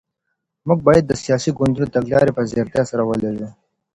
موږ بايد د سياسي ګوندونو تګلاري په ځيرتيا سره ولولو.